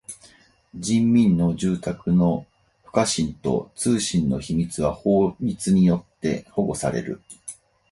人民の住宅の不可侵と通信の秘密は法律によって保護される。